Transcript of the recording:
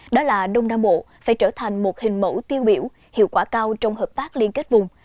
đó là đông nam bộ phải trở thành một hình mẫu tiêu biểu hiệu quả cao trong hợp tác liên kết vùng